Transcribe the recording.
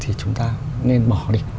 thì chúng ta nên bỏ đi